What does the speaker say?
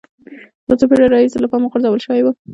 له څو پېړیو راهیسې له پامه غورځول شوی و